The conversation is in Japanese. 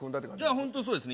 本当そうですね。